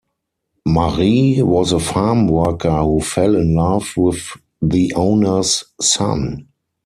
Mari was a farm worker who fell in love with the owner's son.